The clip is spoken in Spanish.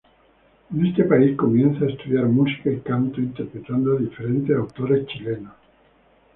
En este país comienza a estudiar música y canto, interpretando a diferentes autores chilenos.